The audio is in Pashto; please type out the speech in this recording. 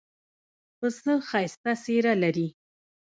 پسه ښایسته څېره لري.